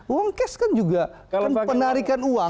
uang cash kan juga kan penarikan uang